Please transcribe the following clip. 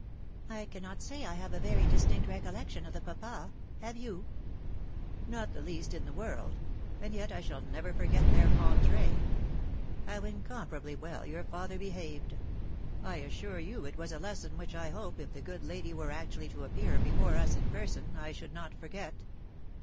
I cannot say I have a very distinct recollection of the papa. Have you ?"" Not the least in the world ; and yet I shall never forget their entree. How incomparably well your father behaved ! I assure you it was a lesson which, I hope, if the good lady were actually to appear before us in person, I should not forget.